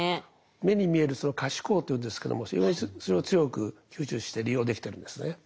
目に見えるその可視光というんですけども非常にそれを強く吸収して利用できてるんですね。